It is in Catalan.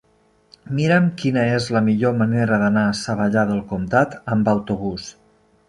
Mira'm quina és la millor manera d'anar a Savallà del Comtat amb autobús.